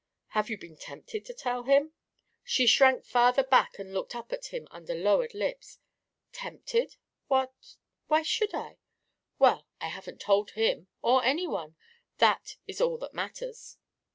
"Have you been tempted to tell him?" She shrank farther back and looked up at him under lowered lids. "Tempted? What why should I? Well, I haven't told him, or any one. That is all that matters."